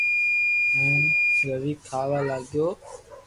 ھين روي کاھ وا لاگيو